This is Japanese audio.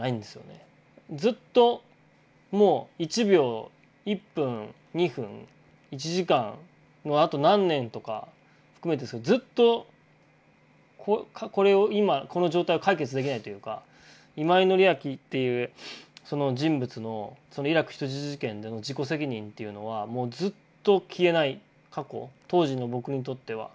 ずっともう１秒１分２分１時間のあと何年とか含めてずっとこれを今この状態を解決できないというか今井紀明っていうその人物のイラク人質事件での自己責任っていうのはもうずっと消えない過去当時の僕にとっては。